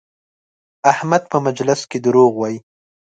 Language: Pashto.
احمد په مجلس کې دروغ وایي؛